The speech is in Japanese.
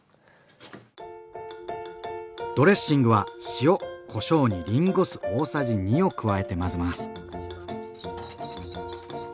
ドレッシングは塩・こしょうにりんご酢大さじ２を加えて混ぜます。